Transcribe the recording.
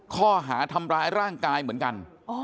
ข้อหาทำร้ายร่างกายเหมือนกัน